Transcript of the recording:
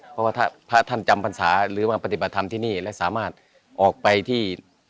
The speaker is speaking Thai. เพราะว่าถ้าพระท่านจำพรรษาหรือมาปฏิบัติธรรมที่นี่และสามารถออกไปที่